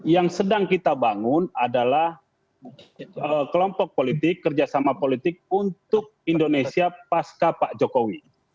yang sedang kita bangun adalah kelompok politik kerjasama politik untuk indonesia pasca pak jokowi